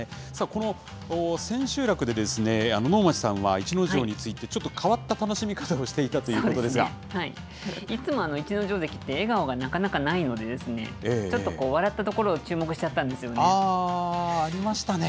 この千秋楽で能町さんは逸ノ城について、ちょっと変わった楽しみいつも逸ノ城関って笑顔がなかなかないので、ちょっとこう、笑ったところを注目しちゃったんありましたね。